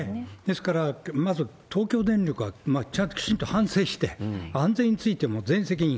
ですから、まず東京電力がちゃんときちんと反省して、安全について全責任。